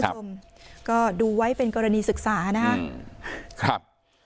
คุณผู้ชมก็ดูไว้เป็นกรณีศึกษานะครับ